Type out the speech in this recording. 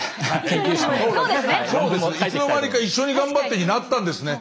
いつの間にか「一緒にがんばって」になったんですね。